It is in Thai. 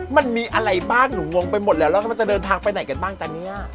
มันมีอะไรบ้างหนูงงไปหมดแล้วแล้วมันจะเดินทางไปไหนกันบ้างตอนนี้